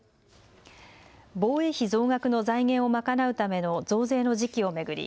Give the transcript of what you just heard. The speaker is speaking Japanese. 防衛費増額の財源を賄うための増税の時期を巡り